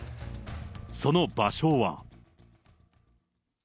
その場所は。